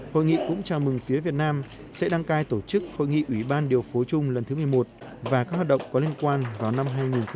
hội nghị cũng chào mừng phía việt nam sẽ đăng cai tổ chức hội nghị ủy ban điều phối chung lần thứ một mươi một và các hoạt động có liên quan vào năm hai nghìn hai mươi